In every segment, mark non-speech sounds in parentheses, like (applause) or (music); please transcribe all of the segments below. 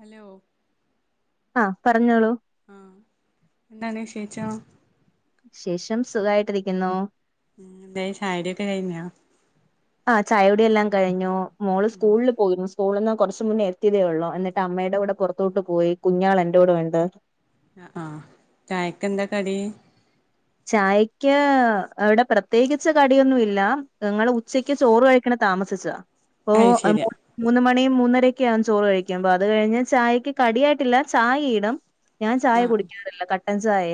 Hello ആഹ് പറഞ്ഞോളൂ ആഹ് എന്താണ് വിശേഷം? വിശേഷം സുഖായിട്ടിരിക്കുന്നു. എന്തായി ചായുടി ഒക്കെ കഴിഞ്ഞോ? ആ ചായൂടി എല്ലാം കഴിഞ്ഞു. മോള് സ്കൂളിൽ പോയിരുന്നു. സ്കൂളിൽന്ന് കുറച്ച് മുന്നേ എത്തിയതേയൊള്ളൂ എന്നിട്ട് അമ്മയുടെ കൂടെ പുറത്തോട്ട് പോയി കുഞ്ഞാൾ എന്റെ കൂടെ ഉണ്ട് ആഹ് ചായക്കെന്താ കടി ചായക്ക് അവിടെ പ്രത്യേകിച്ച് കടിയൊന്നു ഇല്ല ഞങ്ങൾ ഉച്ച ക്ക്‌ ചോറ് കഴിക്കണ താമസിച്ച അപ്പൊ അയ് ശരിയാ (inaudible) മൂന്ന് മണി മൂന്നരക്കെ ആകും ചോറ് കഴിക്കുമ്പൊ അത് കഴിഞ്ഞ് ചായയ്ക്ക് കടിയായിട്ടില്ല ചായ ഇടും ഞാൻ ചായ ആഹ് കുടിക്കാറില്ല. കട്ടൻ ചായ.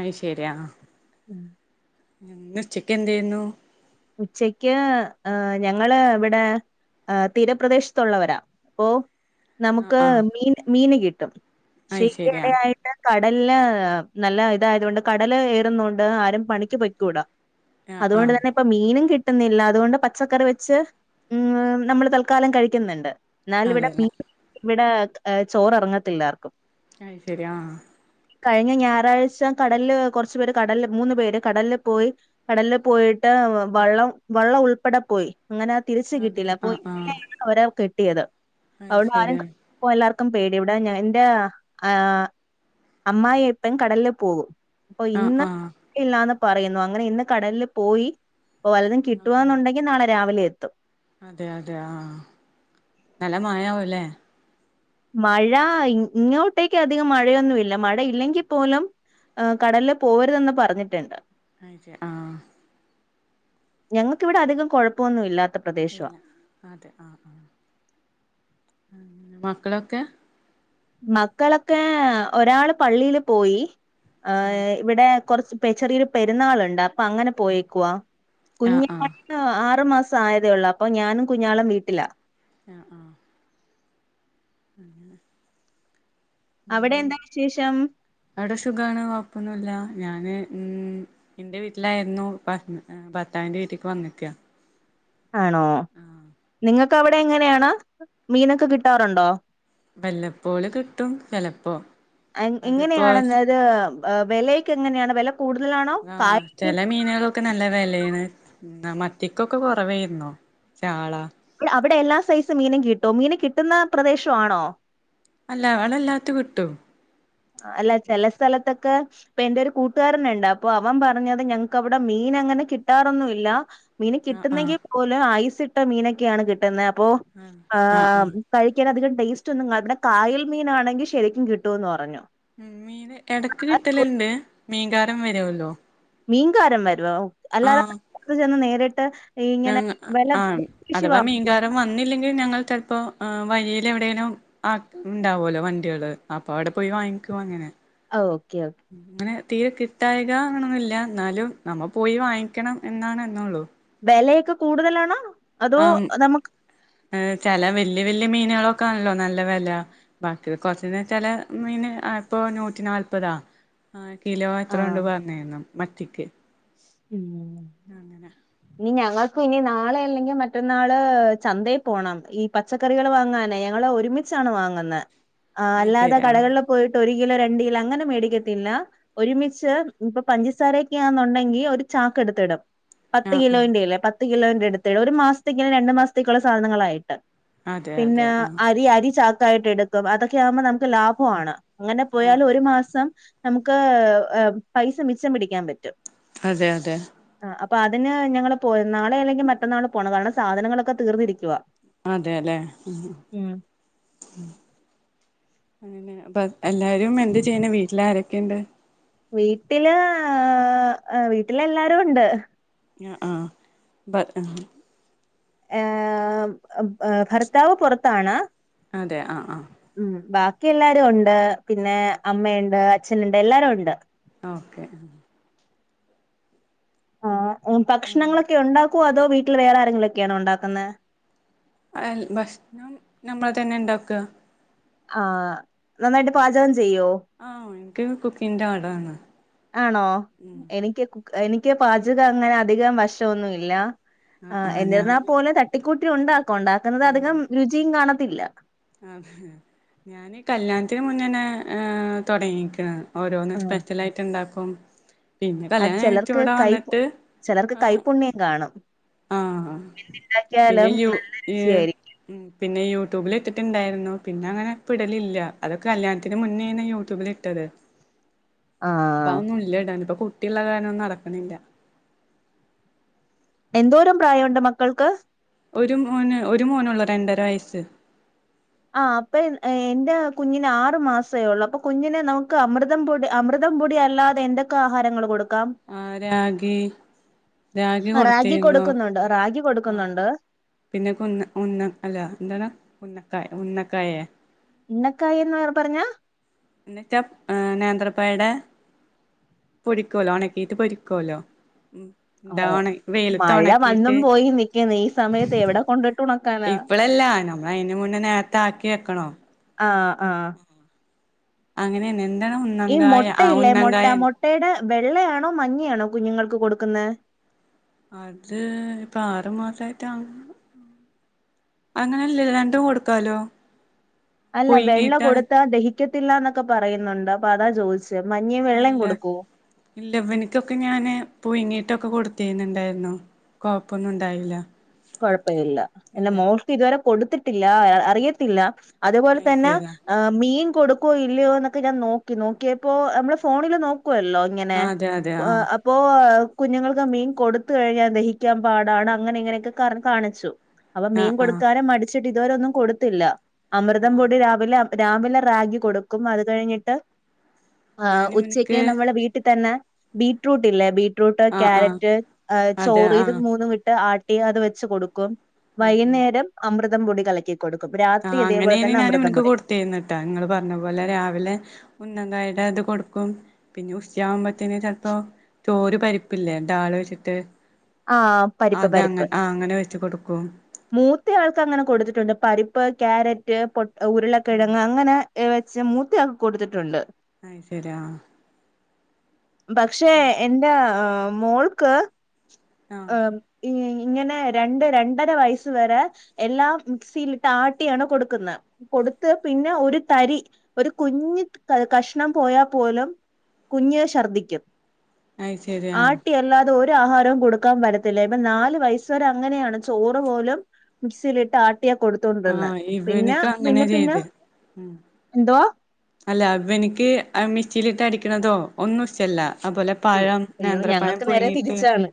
അയ് ശരിയാ ആഹ്. ഉം ഇന്ന് ഉച്ചക്ക് എന്തായിനു ഉച്ചക്ക് ആ ഞങ്ങള് എവിടെ ആ തീരപ്രദേശത്തുള്ളവരാ ഓഹ് ആഹ് നമ്മുക്ക് ആഹ് മീൻ മീന് കിട്ടും ശെ അയ് ഈ ശരിയാ ഇടയായി കടല് നല്ല ഇതായതുകൊണ്ട് കടല് ഏറുന്നോണ്ട് ആരും പണിക്ക് പൊയ്ക്കൂടാ ആഹ് അതുകൊണ്ട് ആഹ് തന്നെ ഇപ്പൊ മീനും കിട്ടുന്നില്ല അതുകൊണ്ട് പച്ചക്കറി വെച്ച് ഉം നമ്മള് തൽക്കാലം കഴിക്കുന്നുണ്ട് എന്നാലു (unintelligible) ഇവിടെീ അതെല്ലേ ഇവിടെ ചോററങ്ങത്തില്ലർക്കും അത്‌ ശെരി ആ കഴിഞ്ഞ ഞായറാഴ്ച കടല് കുറച്ചു പേര് കടല് മൂന്ന് പേര് കടല് പോയി കടലിൽ പോയിട്ട് വള്ളം വള്ളം ഉൾപ്പെടെ പോയി അങ്ങനെ തിരിച്ച് അതെ കിട്ടില്ല പോയി ആഹ് ആഹ് ഇങ്ങെയാണ് ഒരാൾ കെട്ടിയത് അയ് അതുകൊണ്ട് ആരും ശരിയാ ഇപ്പൊ എല്ലാർക്കും പേടി ഇവിടെ ഞാൻ എന്റെ ആ അമ്മായിഅപ്പൻ കടലില് പോകും അപ്പൊ ആഹ് ഇന്ന് ആഹ് ഇല്ലാന്ന് പറയുന്നു അങ്ങനെ ഇന്ന് കടലില് പോയി ഓ വല്ലതും ആഹ് ആഹ് കിട്ടുകവാന്നുണ്ടെങ്കിൽ നാളെ രാവിലെ എത്തും അതെ അതെ ആ നല്ല മായാവല്ലേ മഴ ഇങ്ങോട്ടേക്ക് അധികം മഴയൊന്നുല്ല മഴയില്ലെങ്കിൽ പോലും ഹ് കടലിൽ പോവരുതെന്ന് പറഞ്ഞിട്ടുണ്ട് അച്ച ആ (unintelligible) ഞങ്ങക്കിവിടെ അധികം കുഴപ്പൊന്നും ഇല്ലാത്ത പ്രദേശവാ ഇല്ല അതെ ആ ആ മക്കളൊക്കെ മക്കളൊക്കെ ഒരാള് പള്ളില് പോയി ഹ ഉം ഇവിടെ കുറച്ച് ചെറിയൊരു പെരുന്നാൾുണ്ട് അപ്പ അങ്ങനെ പോയക്കവാ ആഹ് കുഞ്ഞ ആഹ് ആറസ (unintelligible) സായതേള്ളൂ. അപ്പം ഞാനും കുഞ്ഞാളും വീട്ടിലാ ആ ആ അങ്ങനെ അവിടെ എന്താ വിശേഷം അവിടെ സുഖാണ് കുഴപ്പൊന്നുല്ല ഞാന് ഉം ഇന്റെ വീട്ടിലായിരുന്നു പ ഹ് ഭർത്താവിന്റെ വീട്ടിക്ക് വന്ന്ക്കാ ആണോ നിങ്ങക്ക് അവിടെ എങ്ങനെയാണ് മീനൊക്കെ കിട്ടാറുണ്ടോ വല്ലപ്പോള് കിട്ടും ചെലപ്പോ അതിപ്പോ എങ്ങനെയാണത് വിലക്ക് എങ്ങനെയാാണ്ോ വില കൂടുതലാണോ (unintelligible) ചില മീനുകളൊക്കെ നല്ല വിലാണ് മത്തിക്കൊക്കെ കുറവായിരുന്നു ചാള അവിടെ എല്ലാ സൈസും മീനും കിട്ടും മീന് കിട്ടുന്ന പ്രദേശ ആണോ അല്ല അവളല്ലാത്ത കിട്ടും അല്ല ചെല സ്ഥലത്തൊക്കെ ഇപ്പൊ എന്റെ ഒരു കൂട്ടുകാരനുണ്ട് അപ്പൊ അവൻ പറഞ്ഞത് ഞങ്ങക്ക് അവിടെ മീൻ അങ്ങനെ കിട്ടാറൊന്നുല്ല മീൻ ആഹ് ആഹ് കിട്ടുന്നെങ്കിൽ പോലും ഐസ് ഇട്ട മീനൊക്കെയാണ് കിട്ടുന്നത് അപ്പോ ആഹ് കഴിക്കാൻ അധികം ടേസ്റ്റ് ഒന്നും ഇവിടെ കായൽ മീനാണെങ്കിൽ ശരിക്കും കിട്ടുമന്ന് പറഞ്ഞു മം മീന് ഇടക്ക് കിട്ടലുണ്ട് മീകാരം വരുവല്ലോ മീൻകാരം വരുവോ അല്ലാതെ ആഹ് നമ്മുക്ക് ചെന്ന് നേരിട്ട് ഇങ്ങനെ ഞങ്ങ വില ആ പേശി അഥവാ വാങ്ങോ മീൻകാരൻ വന്നില്ലെങ്കിൽ ഞങ്ങൾ ചിലപ്പോ ആ വഴിയിൽ എവിടേലും ആഹ ഉണ്ടാവല്ലോ വണ്ടികള് അപ്പൊ അവിടെ പോയി വാങ്ങിക്കും അങ്ങനെ ഓക്കെ ഓക്കെ അങ്ങനെ തീരെ കിട്ടായിക അങ്ങനൊന്നുല്ല എന്നാലും നമ്മ പോയി വാങ്ങിക്കണം എന്നാണ് എന്നെയുള്ളൂ വെലയൊക്കെ കൂടുതലാണോ അതോ നമുക്ക് ഏ ചെല വല്യ വല്യ മീനുകളൊക്കെ ആണല്ലോ നല്ല വില ബാക്കി കുറച്ച ചില മീന് ഇപ്പൊ നൂറ്റി നാല്പതാ (unintelligible) ആഹ് കിലോ എത്ര ആഹ് ഉണ്ടന്ന് പറഞ്ഞരുന്നു മത്തിക്ക്. ഉം അങ്ങനെ, ഇനി ഞങ്ങൾക്കും ഇനി നാളെ അല്ലെങ്കിൽ മറ്റൊന്നാള് ചന്തയിൽ പോണം ഈ പച്ച പച്ചക്കറികള് വാങ്ങനെ ഞങ്ങള് ഒരുമിച്ചാണ് വാങ്ങുന്നെ. ആ അത് അല്ലാതെ ശരി ആഹ് കടകളില് - പോയിട്ട് ഒരു കിലോ, രണ്ട് കിലോ അങ്ങനെ മേടിക്കത്തില്ല, ഒരുമിച്ച് ഇപ്പൊ പഞ്ചസാരൊക്കെയാന്നൊണ്ടങ്കിൽ ഒരു- ചാക്കെടുത്തിടും പത്ത് ആഹ് ആഹ് കിലോന്റയില്ലേ പത്ത്- പത്ത് കിലോന്റെ എടുത്തിടും. ഒരു മാസത്തേക്കിന് രണ്ടു മാസത്തേക്കുള്ള സാധനങ്ങളായിട്ട്. അതെ പിന്നെ, അതെ ആഹ് അരി അരി ചാക്കായിട്ട് എടുക്കും. അതൊക്കെ ആവുമ്പോൾ നമുക്ക് ലാഭമാണ്. അങ്ങനെ ആഹ് പോയാൽ ഒരു മാസം നമുക്ക് പൈസ ഏ മിച്ചം പിടിക്കാൻ പറ്റും. അതെ അതെ. ആഹ് അപ്പൊ അതിന് ഞങ്ങള് പോവും, നാളെ അല്ലെങ്കിൽ മറ്റന്നാള് പോവണം. കാരണം സാധനങ്ങളൊക്കെ തീർതിരിക്കുവാ അതെ ലേ ഉം അങ്ങനെ അപ്പ എല്ലാരും എന്ത് ചെയ്യണേ വീട്ടില് ആരൊക്കെയുണ്ട്? വീട്ടില് വീട്ടില് എല്ലാരും ഉണ്ട്. ആ ആഹ് ബ ഏ ഭർത്താവ് പുറത്താണ്, അതെ ആഹ് ആ. ഉം ബാക്കി എല്ലാരും ഉണ്ട്. പിന്നെ, അമ്മയുണ്ട്, അച്ഛനുണ്ട് എല്ലാരും ഉണ്ട്. ഓക്കെ ആഹ് ഭക്ഷണങ്ങളൊക്കെ ഉണ്ടാക്കുവോ, അതോ വീട്ടിൽ വേറെ ആരെങ്കിലൊക്കെയണോ ഉണ്ടാക്കുന്നേ? ഭക്ഷണം നമ്മൾ തന്നെ ണ്ടാക്ക. ആഹ് നന്നായിട്ട് പാചകം ചെയ്യോ? ആഹ് എനിക്ക് കുക്കിന്റെ ആളാന്ന്. ആണോ, എനിക്ക് എനിക്ക് പാചകങ്ങനെ അധികം വഷം ഒന്നുല്ല. ആഹ് എന്നിരുന്നാൽപോലും തട്ടിക്കൂട്ടി ഉണ്ടാക്കും. ഉണ്ടാക്കുന്നത് അധികം രുചിയും കാണത്തില്ല. ആഹ് ഞാനീ കല്യാണത്തിന് മുന്നന്നെ തുടങ്ങിക്ക്ണ്. ഓരോന്നും ഉം സ്പെഷ്യൽ ആയിട്ട് ഉണ്ടാക്കും. പിന്നെ, അത് കല്യാണം കഴിഞ്ഞിട്ട് ഇവിടെ വന്നിട്ട് ആ - പുണ്യം കാണും. ആഹ് പിന്നെ ഉണ്ടാക്കിയാലും യു നശിയായിരിക്കും ഉഹ്. പിന്നെ, യൂട്യൂബിൽ ഇട്ടിട്ടുണ്ടായിരുന്നു. പിന്നെ അങ്ങനെ ഇപ്പോഇടലില്ല. അതൊക്കെ കല്യാണത്തിന് മുന്നേന്നു യൂ- യൂട്യൂബില് ഇട്ടത്. ആ ഇപ്പൊ അതൊന്നുല്ല ഇടാന്. ഇപ്പൊ കുട്ടിയുള്ള കാരണൊന്നും നടക്കണില്ല. എന്തോരം പ്രായമുണ്ട് മക്കൾക്ക്? ഒരു മോന്. ഒരു മോനൊള്ളു രണ്ടര വയസ്സ്. ആഹ് അപ്പൊ, എന്റെ കുഞ്ഞിന് ആറു മാസമേ ഉള്ളൂ അപ്പൊ കുഞ്ഞിനെ നമുക്ക് അമൃത- അമൃതം പൊടി അമൃതം പൊടി അല്ലാതെ എന്തൊക്കെ ആഹാരങ്ങൾ കൊടുക്കാം? ആഹ് രാഗി, രാഗി ആ, റാഗി കൊടുത്തീരുന്നു കൊടുക്കുന്നുണ്ട് ആ റാഗി ആഹ കൊടുക്കുന്നുണ്ട് പിന്നെ കുന്ന ഉന്ന അല്ല എന്താണ്? ഉന്നക്കായ ഉന്നക്കായ, ഉന്നക്കായന്ന് പറ പറഞ്ഞ? എന്നിട്ട് നേന്ത്രക്കായയുടെ- പൊടിക്കുവലോ ഉണക്കിട്ട് പൊടിക്കല്ലോ ഉം എന്താ ഓഹ് ഉണ വെയിലത്ത് മഴ വന്നും ഉണക്കിയിട്ട് പോയി നിക്കുന്നു, ഈ സമയത്ത് എവിടെ കൊണ്ടിട്ടു ഉണ ഇപ്പളല്ലാ, നമ്മള് അതിന് മുന്നേ നേരത്തെ ആക്കി വെക്കണം. ആഹ് ആഹ്. അങ്ങനെയന്നെ എന്താണ് ഉന്നങ്കായ ആ ഉന്നങ്കായ. മുട്ടയുടെ വെള്ളയാണോ, മഞ്ഞയാണോ, കുഞ്ഞുങ്ങൾക്ക് കൊടുക്കുന്നത്? അത് ഇപ്പൊ ആറ് മസായിട്ട അങ്ങനെയല്ലല്ലോ രണ്ടും കൊടുക്കാലോ. അല്ല, വെള്ള പുഴുങ്ങിയിട്ടാണ് കൊടുത്താ ദഹിക്കത്തില്ലന്നൊക്കെ പറയുന്നുണ്ട്. അപ്പൊ അതാ ചോദിച്ച് മഞ്ഞയും വെള്ളയും ഇല്ല കൊടുക്കോ? ഇല്ല ഇവൻക്കൊക്കെ ഞാന് പുഴുങ്ങീട്ടൊക്കെ കൊടുത്തിട്ടുണ്ടായിരുന്നു. കൊഴപ്പൊന്നുണ്ടായില്ല കൊഴപ്പയില്ല എൻ്റ മോൾക്കിതുവരെ കൊടുത്തിട്ടില്ലാ അ അറിയത്തില്ല അതേപോലെ അത് തന്നാ ശരിയാ ആ മീൻ കൊടുക്കുവോ ഇല്ലയോന്നൊക്കെ ഞാൻ നോക്കി നോക്കിയപ്പോ നമ്മള് ഫോണില് നോക്കുവല്ലോ ഇങ്ങനെ ആ അതെ അതെ പോ ആ അപ്പ് പ്പോ കുഞ്ഞുങ്ങൾക്ക് മീൻ കൊടുത്ത് കഴിഞ്ഞാ ദഹിക്കാൻ പാടാണ് അങ്ങനെ ഇങ്ങനെയൊക്കെ കാറ് കാണിച്ചു അപ്പൊ ആ മീൻ ആ കൊടുക്കാന് മടിച്ചിട്ട് ഇതുവരെ ഒന്നും കൊടുത്തില്ല അമൃതം ആ പൊടി രാവിലെ രാവിലെ റാഗി കൊടുക്കും അത് കഴിഞ്ഞിട്ട് ആഹ് ഉച്ചക്ക് ഞാനിവനിക്ക് നമ്മള് വീട്ടി തന്നെ ബീറ്റ്റൂട്ടില്ലേ ബീ റ്റ്‌റൂട്ട് ആ ആ ക്യാരറ്റ് അ അതെ ചോറ് ആ ഇത് മൂന്നും ഇട്ട് ആട്ടി അത് വെച്ച് കൊടുക്കും ഉം ഉം വൈകുന്നേരം അമൃതം പൊടി കലക്കി കൊടുക്കും രാത്രി അതേപോലെ തന്നെ അമൃതം പൊടി റ്റേന്നിട്ടാ ഇങ്ങള് പറഞ്ഞ പോലെ രാവിലെ ഉന്നന്തായേടെ അത് കൊടുക്കും പിന്നെ ഉച്ചയാവു മ്പന്തി ത്തിന് ചെൽപ്പോ തോര് പരിപ്പില്ലേ ഡാള് വെച്ചിട്ട് ആ പരിപ്പ് അതങ്ങൻ ആഹ് അങ്ങനെ വെച്ച് കൊടുക്കും മൂത്തയാൾക്കങ്ങന കൊടുത്തിട്ടുണ്ട് പരിപ്പ് ക്യാരറ്റ് പൊട് ആഹ് ഉരുളക്കിഴങ്ങ് അങ്ങനെ എ വെച്ച മൂത്തയാക്ക് കൊടുത്തിട്ടുണ്ട് അയ്ശരി ആഹ് പക്ഷേ എന്റ അ മോൾക്ക് ആഹ് ഇ ഇങ്ങനെ രണ്ട് രണ്ടര വയസ് വരെ എല്ലാം മിക്സിയിലിട്ട് ആട്ടിയാണ് കൊടുക്കുന്നേ കൊടുത്ത് പിന്നെ ഒരു തരി ഒരു കുഞ്ഞ് ക കഷ്ണം പോയാ പോലും കുഞ്ഞ് ശർദ്ദിക്കും അത് ശരി ആഹ് ആട്ടി അല്ലാതെ ഒരു ആഹാരവും കൊടു ക്കാൻ പറ്റത്തില്ല ഇപ്പ നാല് വയസ് വരെ അങ്ങനെയാണ് ചോറ് പോലും മിക്‌സീലിട്ടാ ട്ടിയാ കൊടുത്തോണ്ടിര്ന്നെ ആഹ് പിന്നെ ഇവനിക്ക് അങ്ങനെ പിന്നെപ്പിന്നെ ചെയ്ത് എന്തുവാ അല്ലാ ഇവനിക്ക് അ മിക്സീലിട്ടടിക്കണതോ ഒന്നും ഇഷ്ടല്ലാ അഅ് പോലെ അയ്യോ പഴം അയ്യോ നേന്ത്രപ്പഴം ഞങ്ങൾക്ക് നേരെ പുഴുങ്ങീട്ട് തിരിച്ചാണ്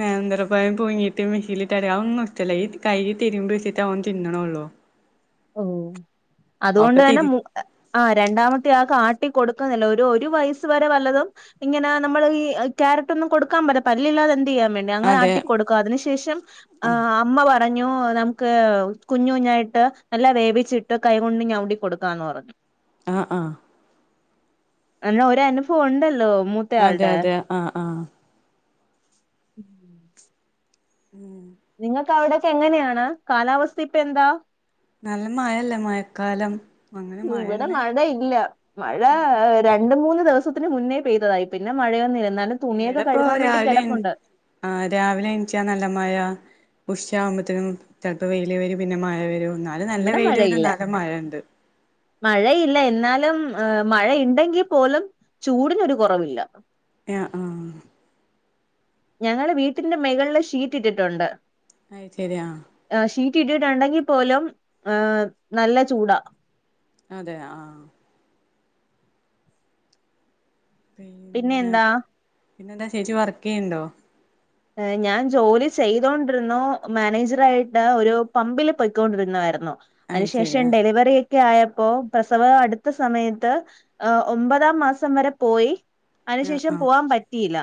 നേന്ത്രപ്പയം പുയുങ്ങീട്ട് മിക്‌സീലിട്ടര അ ഒന്നും ഇഷ്ടല്ല ഈ കയ്യി തിരുമ്പി വെച്ചിട്ട ഓൻ തിന്നണൊള്ളൂ ഓ അതുകൊണ്ട് ഒക്കെ തന്നെ തിരി മൂ എ ആഹ് രണ്ടാമത്തെയാക്കാട്ടി കൊടുക്കുന്നില്ല ഒരു ഒരു വയസ്സ് വരെ വല്ലതും ഇങ്ങനാ നമ്മള് ഈ അ ക്യാരറ്റൊന്നും കൊടുക്കാൻ പറ്റ പല്ലില്ലാതെ എന്തെയ്യാൻ വേണ് ടെ അതെ അങ്ങനാട്ടി കൊടുക്കും അതിനു ശേഷം ആ ആഹ് അമ്മ പറഞ്ഞു നമുക്ക് കുഞ്ഞ് കുഞ്ഞായിട്ട് നല്ല വേവിച്ചിട്ട കൈ കൊണ്ട് ഞവിടി കൊടുക്കാന്ന് പറഞ്ഞു ആഹ് ആഹ് അല്ലാ ഒരനുഫൊണുണ്ടല്ലേ മു അതെയതെ ആഹ് ആഹ് ഉം ഉം നിങ്ങക്കവിടെയൊക്കെ എങ്ങനെയാണ് കാലാവസ്ഥയിപ്പെന്താ നല്ല മയല്ലേ മയക്കാലം ഓ ഇവടെ മഴയില്ലാ മഴാ രണ്ട് മൂന്ന് ദിവസത്തിന് മുന്നേ പെയ്തതായി പിന്നെ മഴയൊന്നില്ലെന്നാലും തുണിയൊക്ക കഴുകാൻ വേണ്ടി കെടപ്പുണ്ട് ആഹ് രാവിലെ എണിച്ചാ നല്ല മയ ഉശയാവുമ്പത്തിനും ചെലപ്പ വെയില് വരും പിന്നെ മയ വരും എന്നാലും നല്ല ഇവിടെ വെയില് വരും മഴയില്ല നല്ല മയ ഇണ്ട് മഴയില്ല എന്നാലും അ മഴയിണ്ടെങ്കി പോലും ചൂടിനൊരു കൊറവില്ല യാ ആഹ് ഞങ്ങള് വീട്ടിന്റെ മെകളില് ഷീറ്റിട്ടിട്ടുണ്ട് അയ് ശരിയാ ആഹ് ഷീറ്റിട്ടിട്ടുണ്ടെങ്കി പോലും അ് നല്ല ചൂടാ അതെ ആഹ് പിന്നെ എന്താ എന്താ ചേച്ചി വർക്ക് ചെയ്യിണ്ടോ ഞാൻ ജോലി ചെയ്തോണ്ടിരുന്നു മാനേജർ ആയിട്ട് ഒരു പമ്പില് പൊയ്ക്കൊണ്ടിരുന്നായിരുന്നു. അത് ശരി അതിനുശേഷം ആഹ് ഡെലിവറി ഒക്കെ ആയപ്പോ പ്രസവം അടുത്ത സമയത്ത് ഏഹ് ഒമ്പതാം മാസം വരെ പോയി ആഹ് അതിനുശേഷം ആഹ് പോവാൻ പറ്റിയില്ല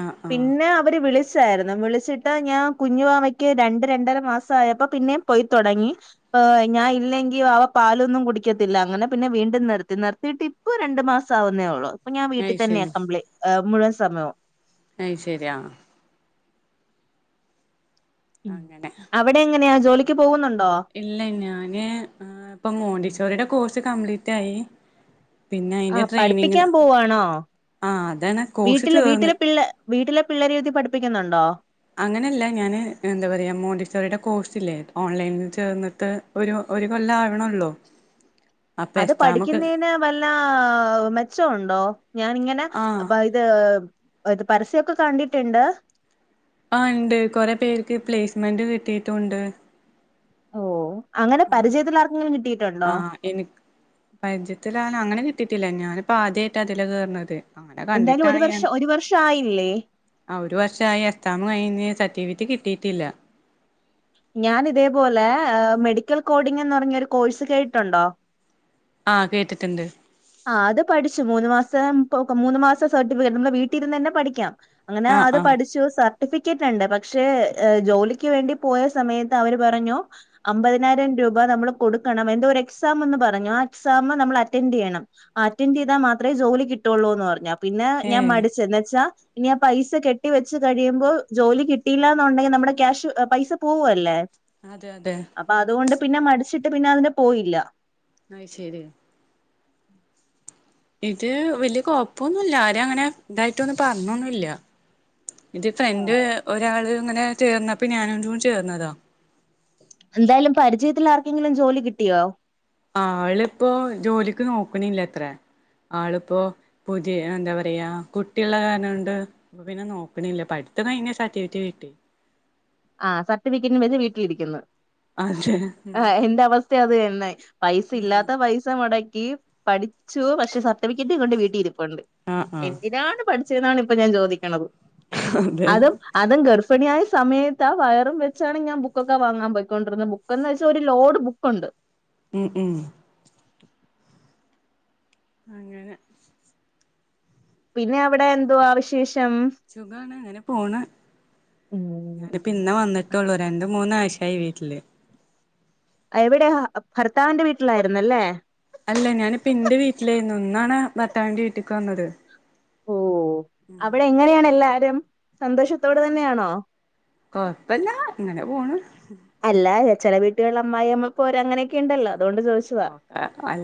ആഹ് ആഹ് പിന്നെ അവര് വിളിച്ചായിരുന്നു വിളിച്ചിട്ട് ഞാൻ കുഞ്ഞുവാവയ്ക്ക് രണ്ട് രണ്ടര മാസം ആയപ്പോ പിന്നെയും പോയിത്തൊടങ്ങി. ഇപ്പൊ ഞാൻ ഇല്ലെങ്കിൽ വാവ പാലൊന്നും കുടിക്കത്തില്ല അങ്ങനെ പിന്നെ വീണ്ടും നിർത്തി നിർത്തിയിട്ട് ഇപ്പ ഇപ്പൊ രണ്ടു മാസം ആവുന്നേ ഉള്ളൂ ഇപ്പൊ ഞാൻ അത് വീട്ടിൽ ശരി തന്നെയാണ് കംപ്ലീ മുഴുവൻ സമയോം അയ്ശെരി ആഹ് അങ്ങനെ ഇവിടെ എങ്ങനെയാ ജോലിക്ക് പോകുന്നുണ്ടോ ഇല്ല ഞാന് ഇപ്പം മോണ്ടിസ്റ്റോറിടെ കോഴ്സ് കംപ്ലീറ്റ് ആയി. പിന്നെ ആ അയിന്റെ പഠിപ്പിക്കാൻ ട്രെയിനിങ്ങിന് പോവാണോ ആ അതാണ് കോഴ്സ് വീട്ടില് ചേർന്ന് വീട്ടിലെ പിള്ളേ വീട്ടിലെ പിള്ളേരെ എഴുതി പഠിപ്പിക്കുന്നുണ്ടോ അങ്ങനെയല്ല ഞാന് എന്താ പറയാ മോണ്ടിസ്റ്റോറിയുടെ കോഴ്സ് ഇല്ലേ ഓൺലൈനിൽ ചേർന്നിട്ട് ഒരു ഒരു കൊല്ലം ആവണോല്ലോ അത് പഠിക്കുന്നതിന് വല്ല മെച്ചവുണ്ടോ ഞാനിങ്ങനെ ആഹ് പ ഇത് ഇത് പരസ്യവൊക്കെ കണ്ടിട്ടുണ്ട് ആ ഇണ്ട് കൊറെ പേർക്ക് പ്ലേസ്മെന്റ് കിട്ടിയിട്ടുമുണ്ട് ഓഹ് അങ്ങനെ പരിചയത്തിൽ ആർക്കെങ്കിലും കിട്ടിയിട്ടുണ്ടോ ആഹ് എനിക്ക് പരിചയത്തിലാണ് അങ്ങനെ കിട്ടിയിട്ടില്ല ഞാനിപ്പോ ആദ്യായിട്ടാ ഇതില് കേറണത് എന്തായാലും ഒരു വർഷം ഒരു വർഷം ആയില്ലേ ആ ഒരു വർഷമായി എക്സാം കയിഞ്ഞ് സർട്ടിഫിക്കറ്റ് കിട്ടിയിട്ടില്ല. ഞാൻ ഇതേപോലെ മെഡിക്കൽ കോഡിംഗ് എന്ന് പറഞ്ഞ ഒരു കോഴ്സ് കേട്ടിട്ടുണ്ടോ ആഹ് കേട്ടിട്ടുണ്ട് ആഹ് അത് പഠിച്ചു മൂന്ന് മാസം പ്പൊ ക്കോ മൂന്ന് മാസ സർട്ടിഫിക്കറ്റ് നമ്മുടെ വീട്ടിലിരുന്ന് തന്നെ പഠിക്കാം. അങ്ങനെ ആഹ് അത് ആഹ് പഠിച്ചു സർ സർട്ടിഫിക്കറ്റ് ഉണ്ട് പക്ഷേ ജോലിക്ക് വേണ്ടി പോയ സമയത്ത് അവര് പറഞ്ഞു അമ്പതിനായിരം രൂപ നമ്മള് കൊടുക്കണം എന്തോരെക്സാമെന്ന് പറഞ്ഞു ആ എക്സാമ് നമ്മൾളറ്റൻഡറ് ചെയ്യണം. അറ്റന്റെയ്താ മാത്രെ ജോലി കിട്ടൊള്ളൂന്ന് പറഞ്ഞ് പിന്നെ ഞാൻ ഏഹ് മടിച്ച് എന്നെച്ചാ ഇനി ആ പൈസ കെട്ടി വെച്ച് കഴിയുമ്പോ ജോലി കിട്ടില്ലാന്നൊണ്ടെങ്കി നമ്മുടെ ക്യാഷ് പൈസ പോവാല്ലേ അതെ അതെ അപ്പൊ അതുകൊണ്ട് പിന്നെ മടിച്ചിട്ട് പിന്നെ അതിന് പോയില്ല അയ് ശെരിയാ (inaudible) ഇത് വെല്യ കൊപ്പൊന്നൂല്ല ആരങ്ങനെ ഇതായിട്ടൊന്നും പറഞ്ഞൊന്നുംല്ല്യ. എന്റെ ആ. ഫ്രണ്ട് ഒരാള് ഇങ്ങനെ ചേർന്നപ്പൊ ഞാനും അങ്ങട്ട് കൂടി ചേർന്നതാ എന്തായാലും പരിചയത്തിൽ ആർക്കെങ്കിലും ജോലി കിട്ടിയോ ആളിപ്പോ ജോലിക്ക് നോക്കണില്ലാത്രേ ആളിപ്പൊ പുതിയ എന്താ പറയാ കുട്ടിയുള്ള കാരണോണ്ട് അപ്പൊ പിന്നെ നോക്കണില്ല പഠിത്തം കയിഞ്ഞ് സർട്ടിഫിക്കറ്റ് കിട്ടി. ആ സർട്ടിഫിക്കറ്റും വെച്ച് വീട്ടിലിരിക്കുന്നു അതെ ആ എന്റെ അവസ്ഥയും അത് തന്നെ പൈസ ഇല്ലാത്ത പൈസ മുടക്കി പഠിച്ചു പക്ഷെ സർട്ടിഫിക്കറ്റ് കൊണ്ട് വീട്ടിൽ ഇരിപ്പുണ്ട് ആഹ് ആഹ് എന്തിനാണ് പഠിച്ചേന്നാണ് ഇപ്പൊ ഞാൻ ചോദിക്കണത്. അതെ അതും അതും ഗർഭിണിയായ സമയ ത്താ വയറും വെച്ചാണ് ഞാൻ ബുക്കൊക്കെ വാങ്ങാൻ പോയിക്കൊണ്ടിരുന്നേ ബുക്കന്ന് വെച്ചാ ഒരു ലോഡ് ബുക്കുണ്ട്. ഉംഹ് ഉംഹ് അങ്ങനെ പിന്നെ അവിടെ എന്തുവാ വിശേഷം ചുഖാണ് അങ്ങനെ പോണ് ഉം ഞാനിപ്പോ ഇന്നാവന്നിട്ടുള്ളൂ രണ്ട് മൂന്നാഴ്ചായി വീട്ടില് എവിടെ ആ ഭർത്താവിന്റെ വീട്ടിലായിരുന്നല്ലേ? അല്ല! ഞാനിപ്പൊ ഇന്റെ വീട്ടിലേന്നു ഇന്നാണ് ഭർത്താവിന്റെ വീട്ടിക്ക് വന്നത് ഓ അവിടെ എങ്ങെനെയാണ് എല്ലാരും സന്തോഷത്തോടെ തന്നെയാണോ? കൊഴപ്പല്ല ഇങ്ങനെ പോണ് അല്ല ചെല വീട്ടുകളിൽ അമ്മായിഅമ്മ പോര് അങ്ങനെയൊക്കെണ്ടല്ലോ അതുകൊണ്ട് ചോദിച്ച് ആഹ് (unintelligible)